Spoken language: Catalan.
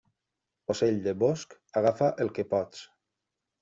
Ocell de bosc, agafa el que pots.